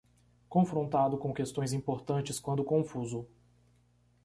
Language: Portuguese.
Confrontado com questões importantes quando confuso